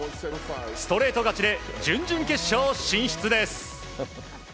ストレート勝ちで準々決勝進出です。